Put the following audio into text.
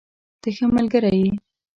ته ښه ملګری یې.